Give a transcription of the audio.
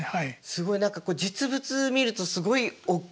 すごい何か実物見るとすごいおっきくって。